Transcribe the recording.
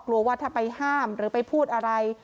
ว่าถ้าไปห้ามหรือไปพูดอะไร